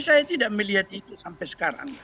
saya tidak melihat itu sampai sekarang